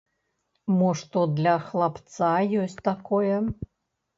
Мо што для хлапца ёсць такое?